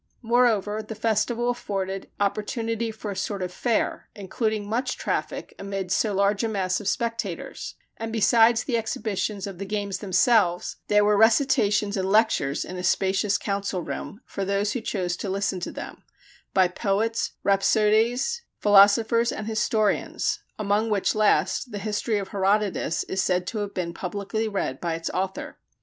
Moreover the festival afforded opportunity for a sort of fair, including much traffic amid so large a mass of spectators; and besides the exhibitions of the games themselves, there were recitations and lectures in a spacious council room for those who chose to listen to them, by poets, rhapsodes, philosophers and historians among which last the history of Herodotus is said to have been publicly read by its author.